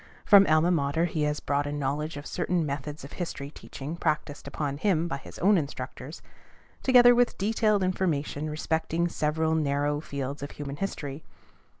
From alma mater he has brought a knowledge of certain methods of history teaching practised upon him by his own instructors, together with detailed information respecting several narrow fields of human history.